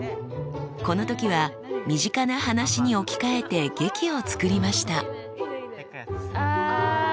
この時は身近な話に置き換えて劇を作りました。